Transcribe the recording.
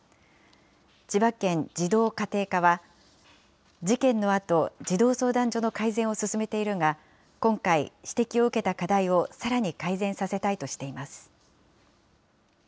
千葉県児童家庭課は、事件のあと、児童相談所の改善を進めているが、今回、指摘を受けた課題をさらに改善させたいとしています。